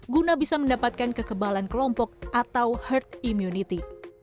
guna bisa mendapatkan kekebalan kelompok atau herd immunity